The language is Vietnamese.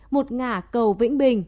một ngã cầu vĩnh bình